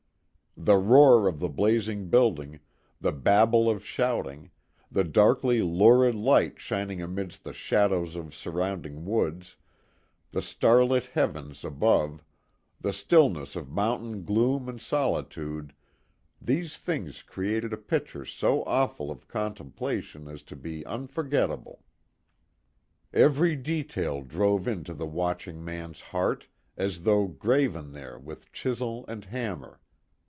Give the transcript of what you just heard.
The roar of the blazing building, the babel of shouting, the darkly lurid light shining amidst the shadows of surrounding woods, the starlit heavens above, the stillness of mountain gloom and solitude; these things created a picture so awful of contemplation as to be unforgettable. Every detail drove into the watching man's heart as though graven there with chisel and hammer.